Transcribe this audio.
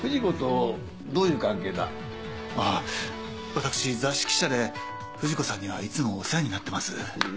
私雑誌記者で藤子さんにはいつもお世話になってます。